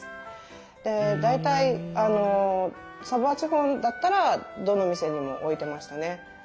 で大体サヴォワ地方だったらどの店にも置いてましたね。